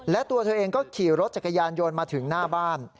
และตัวเธอเองก็ขี่รถจักรยานโยนมาถึงหน้าบ้าน